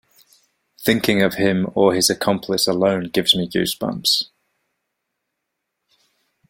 Thinking of him or his accomplice alone gives me goose bumps.